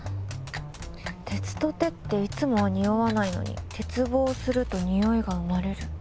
てつとてっていつもはにおわないのにてつぼうするとにおいがうまれる。